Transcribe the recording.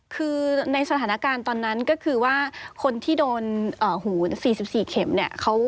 คือในสถานการณ์ตอนนั้นก็คือว่าคนที่โดนหู๔๔เข็มเนี่ย